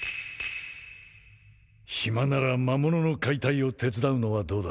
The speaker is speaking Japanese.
暇なら魔物の解体を手伝うのはどうだ？